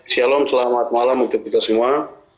shalom selamat malam untuk kita semua